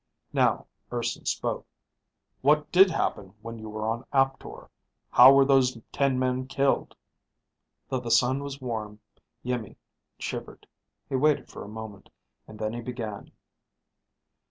Now Urson spoke. "What did happen when you were on Aptor? How were those ten men killed?" Though the sun was warm, Iimmi shivered. He waited for a moment, and then he began.